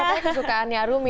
katanya kesukaannya arumi